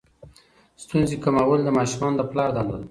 ستونزې کمول د ماشومانو د پلار دنده ده.